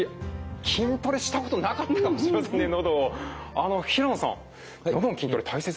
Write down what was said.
あの平野さんのどの筋トレ大切ですか？